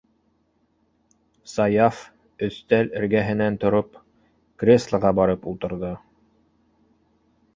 - Саяф, өҫтәл эргәһенән тороп, креслоға барып ултырҙы.